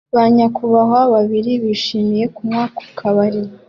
Ba nyakubahwa babiri bishimira kunywa ku kabari